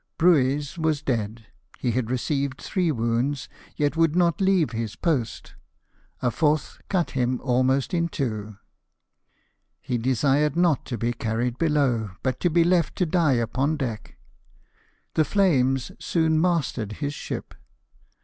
Brueys was dead. He had received three wounds, yet would not leave his post ; a fourth cut him almost in two. He desired not to be carried below, but to be left to die upon deck. The flames soon mastered his ship.